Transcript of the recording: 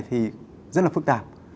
thì rất là phức tạp